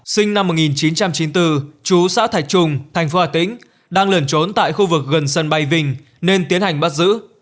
sinh năm một nghìn chín trăm chín mươi bốn chú xã thạch trung thành phố hà tĩnh đang lẩn trốn tại khu vực gần sân bay vinh nên tiến hành bắt giữ